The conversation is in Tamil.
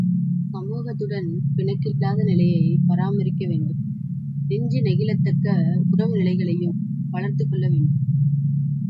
சமூகத்துடன் பிணக்கிலாத நிலையைப் பராமரிக்க வேண்டும் நெஞ்சு நெகிழத்தக்க உறவு நிலைகளையும் வளர்த்துக்கொள்ள வேண்டும்.